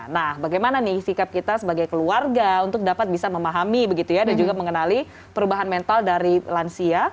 nah bagaimana nih sikap kita sebagai keluarga untuk dapat bisa memahami begitu ya dan juga mengenali perubahan mental dari lansia